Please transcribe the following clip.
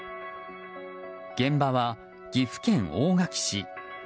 現場は、岐阜県大垣市。